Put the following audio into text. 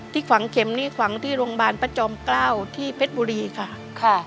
ที่ขวางเข็มนี่ขวางที่โรงบาลประจอมเกล้าที่เพชรบุรีค่ะ